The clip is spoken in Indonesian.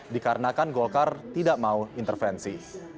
dikarenakan golkar tidak mau intervensi